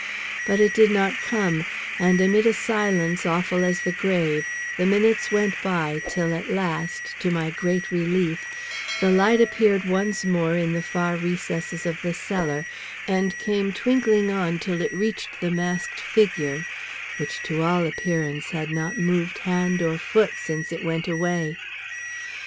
But it did not come; and amid a silence awful as the grave, the minutes went by till at last, to my great relief, the light appeared once more in the far recesses of the cellar, and came twinkling on till it reached the masked figure, which, to all appearance, had not moved hand or foot since it went away.